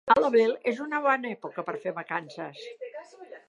A l'abril és una bona època per fer vacances.